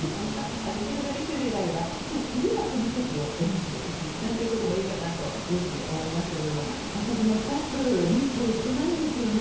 あと、それだけ種類があれば次はこの席を選んでいくということもいいかなと思いますけど私も久しく日光に行っていないんですよね。